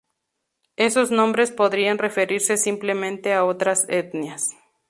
Esos nombres podrían referirse simplemente a otras etnias.